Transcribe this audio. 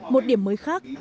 một điểm mới khác đó là